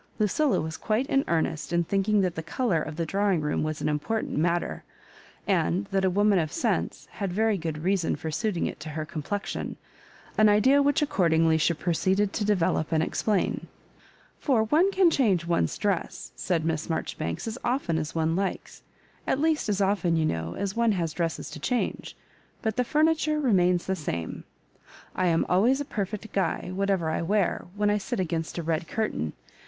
Lucilla was quite in earnest in thinking that the colour of the drawing room was an important matter, and that a woman of sense had very good reason for suiting it to her complexion — an idea which ac cordingly she proceeded to develop and explain. " For one can change one's dress," said Miss Marjoribanks, " as often as one likes — at least as often, you know, as one has dresses to change ; but the furniture remains the same. I am always a perfect guy, whatever I wear, when I sit against a red curtain.